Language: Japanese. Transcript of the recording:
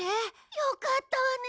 よかったわね。